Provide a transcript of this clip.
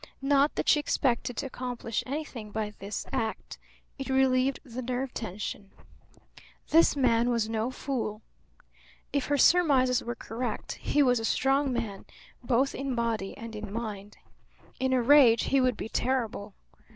Not that she expected to accomplish anything by this act; it relieved the nerve tension. This man was no fool. If her surmises were correct he was a strong man both in body and in mind. In a rage he would be terrible.